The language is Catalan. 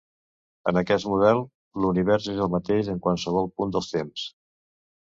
En aquest model, l'univers és el mateix en qualsevol punt del temps.